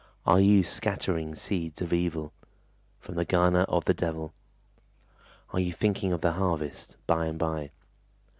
Are you scattering seeds of evil From the garner of the devil? Are you thinking of the harvest By and by?